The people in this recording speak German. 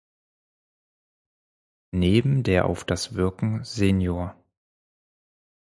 Neben der auf das Wirken Sr.